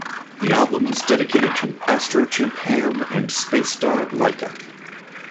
The album is dedicated to "Astrochimp Ham and Spacedog Laika".